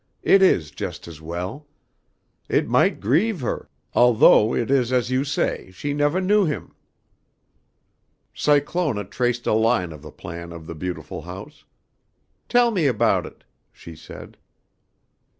It is just as well. It might grieve her, altho' it is as you say, she nevah knew him." Cyclona traced a line of the plan of the beautiful house. "Tell me about it," she said.